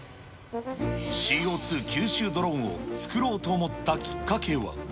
ＣＯ２吸収ドローンを作ろうと思ったきっかけは？